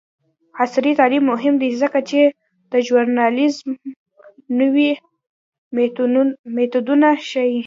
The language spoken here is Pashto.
عصري تعلیم مهم دی ځکه چې د ژورنالیزم نوې میتودونه ښيي.